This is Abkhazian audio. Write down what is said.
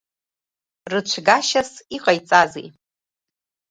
Рыцәгашьас иҟаиҵазеи?